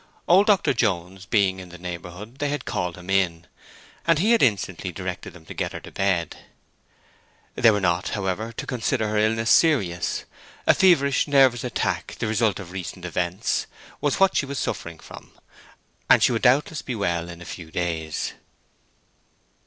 Old Dr. Jones being in the neighborhood they had called him in, and he had instantly directed them to get her to bed. They were not, however, to consider her illness serious—a feverish, nervous attack the result of recent events, was what she was suffering from, and she would doubtless be well in a few days.